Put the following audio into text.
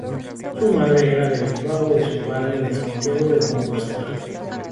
Su madre era de Bilbao y su padre de Santiago de Compostela.